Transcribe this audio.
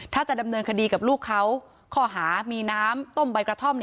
ถ้าจะดำเนินคดีกับลูกเขาข้อหามีน้ำต้มใบกระท่อม